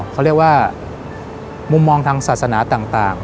เขาเรียกว่ามุมมองทางศาสนาต่าง